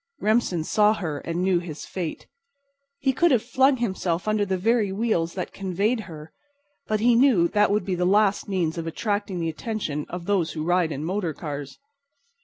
Remsen saw her and knew his fate. He could have flung himself under the very wheels that conveyed her, but he knew that would be the last means of attracting the attention of those who ride in motor cars.